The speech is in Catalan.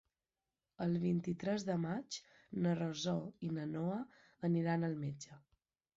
El vint-i-tres de maig na Rosó i na Noa aniran al metge.